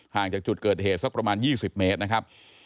ห่างจากจุดเกิดเหตุสักประมาณ๒๐เมตร